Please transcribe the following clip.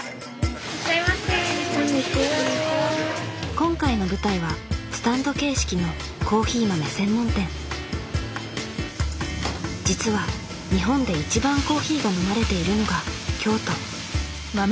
今回の舞台はスタンド形式の実は日本で一番コーヒーが飲まれているのが京都。